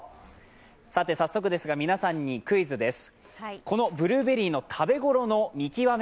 さて早速ですが皆さんにクイズです。